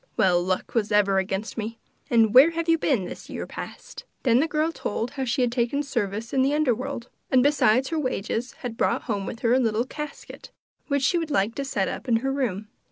Well, luck was ever against me! And where have you been this year past?' Then the girl told how she had taken service in the under world, and, beside her wages, had brought home with her a little casket, which she would like to set up in her room.